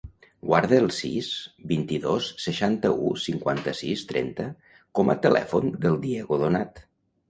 Guarda el sis, vint-i-dos, seixanta-u, cinquanta-sis, trenta com a telèfon del Diego Donat.